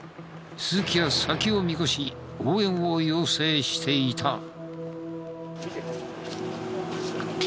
鈴木は先を見越し応援を要請していた。